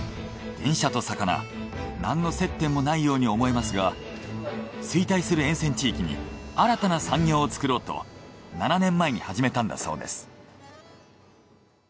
電車と魚何の接点もないように思えますが衰退する沿線地域に新たな産業をつくろうと７年前に始めたんだそうです。